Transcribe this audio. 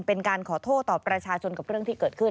เป็นการขอโทษต่อประชาชนกับเรื่องที่เกิดขึ้น